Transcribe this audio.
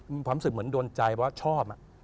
มีความรู้สึกเหมือนโดนใจว่าชอบ